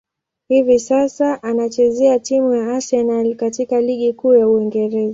Hivi sasa, anachezea timu ya Arsenal katika ligi kuu ya Uingereza.